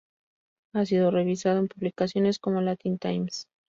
Ha sido revisado en publicaciones como Latin Times.